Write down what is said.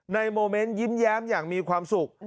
โมเมนต์ยิ้มแย้มอย่างมีความสุข